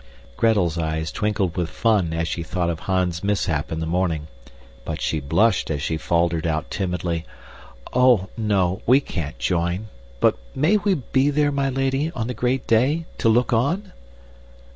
Gretel's eyes twinkled with fun as she thought of Hans's mishap in the morning, but she blushed as she faltered out timidly, "Oh, no, we can't join, but may we be there, my lady, on the great day to look on?"